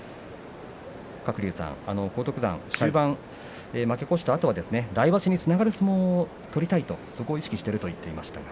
鶴竜さん、荒篤山が終盤負け越したあとは来場所につながる相撲を取りたいとそこを意識していると言っていました。